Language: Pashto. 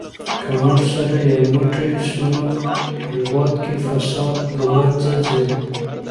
که موږ سره یو موټی سو نو هېواد کې فساد له منځه ځي.